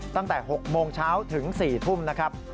ตั้งแต่๖โมงเช้าถึง๔ทุ่มนะครับ